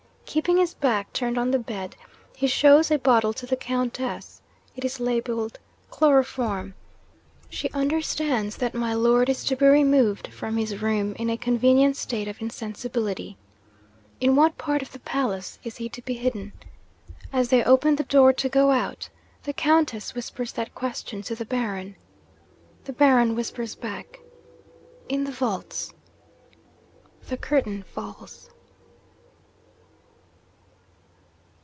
Keeping his back turned on the bed, he shows a bottle to the Countess. It is labelled "Chloroform." She understands that my Lord is to be removed from his room in a convenient state of insensibility. In what part of the palace is he to be hidden? As they open the door to go out, the Countess whispers that question to the Baron. The Baron whispers back, "In the vaults!" The curtain falls.'